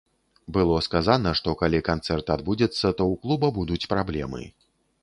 Было сказана, што калі канцэрт адбудзецца, то ў клуба будуць праблемы.